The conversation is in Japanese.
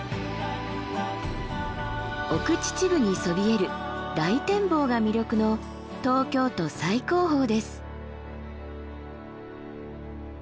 奥秩父にそびえる大展望が魅力の東京都最高峰です。